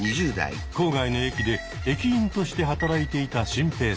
郊外の駅で駅員として働いていたシンペイさん。